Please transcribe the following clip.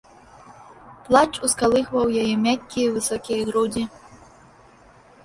Плач ускалыхваў яе мяккія высокія грудзі.